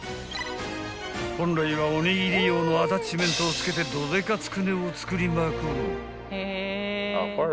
［本来はおにぎり用のアタッチメントを付けてどデカつくねを作りまくる］